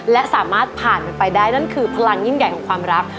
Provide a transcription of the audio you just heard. และสามารถผ่านไปได้นั่นคือพลังยิ่งใหญ่ของความรัก